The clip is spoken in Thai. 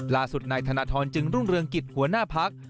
ล่าสุดนายธนทรจึงรุ่งเรืองกิจหัวหน้าพัก